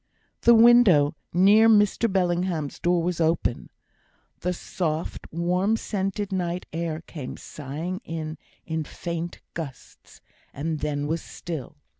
The window near Mr Bellingham's door was open; the soft, warm scented night air came sighing in in faint gusts, and then was still.